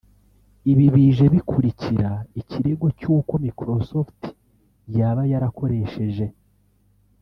Ibi bije bikurikira ikirego cy’uko Microsoft yaba yarakoresheje